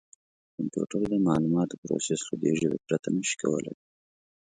کمپیوټر د معلوماتو پروسس له دې ژبې پرته نه شي کولای.